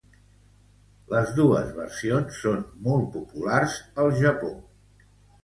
Les dos versions són molt populars al Japó.